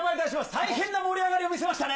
大変な盛り上がりを見せましたね。